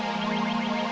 dia itu orang yang kamu